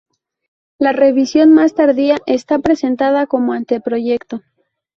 La revisión más tardía está presentada como anteproyecto.